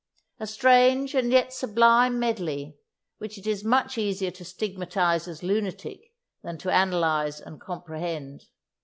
A strange and yet sublime medley, which it is much easier to stigmatize as lunatic than to analyze and comprehend.